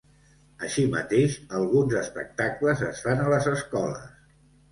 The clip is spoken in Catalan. Així mateix, alguns espectacles es fan a les escoles.